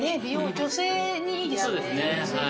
女性にいいですよね。